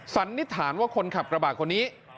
สันนิษฐานว่าคนขับกระบาดคนนี้